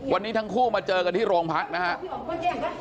วันนี้ทั้งคู่มาเจอกันที่โรงพักนะครับ